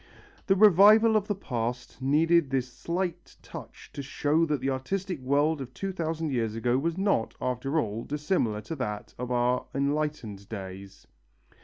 The revival of the past needed this slight touch to show that the artistic world of two thousand years ago was not, after all, dissimilar to that of our enlightened days.